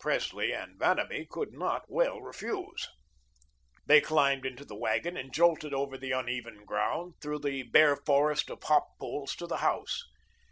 Presley and Vanamee could not well refuse. They climbed into the wagon and jolted over the uneven ground through the bare forest of hop poles to the house.